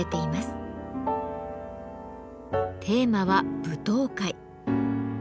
テーマは「舞踏会」。